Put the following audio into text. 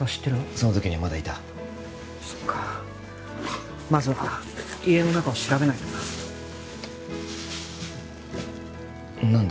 その時にはまだいたそっかまずは家の中を調べないとな何だ？